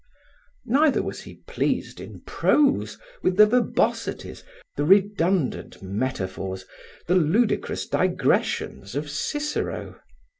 Neither was he pleased, in prose, with the verbosities, the redundant metaphors, the ludicrous digressions of Cicero.